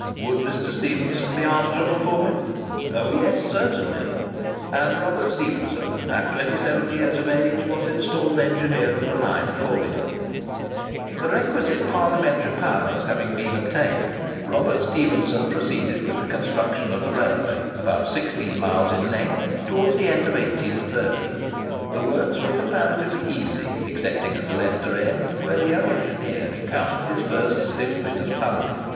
Would Mr. Stephenson be answerable for him? "Oh, yes, certainly." And Robert Stephenson, at twenty seven years of age, was installed engineer of the line accordingly. [Picture: Map of Leicester and Swannington Railway] The requisite Parliamentary powers having been obtained, Robert Stephenson proceeded with the construction of the railway, about 16 miles in length, towards the end of 1830. The works were comparatively easy, excepting at the Leicester end, where the young engineer encountered his first stiff bit of tunnelling.